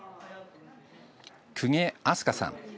公家明日香さん。